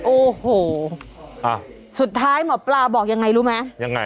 โอ้โหอ่ะสุดท้ายหมอปลาบอกยังไงรู้ไหมยังไง